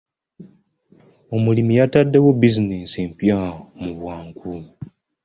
Omulimi yataddewo bizinensi empya mu bwangu.